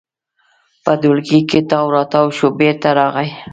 په ټولګي کې تاو راتاو شو، بېرته راغی.